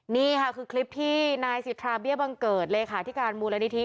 นี่ค่ะคือคลิปที่นายสิทธาเบี้ยบังเกิดเลขาธิการมูลนิธิ